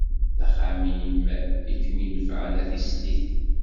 D axxam-im i kem-inefεen, a tislit.